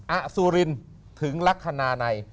อสุรินถึงลักษณะใน